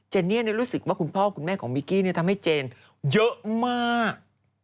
เนี่ยรู้สึกว่าคุณพ่อคุณแม่ของมิกกี้ทำให้เจนเยอะมาก